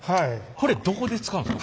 これどこで使うんですか？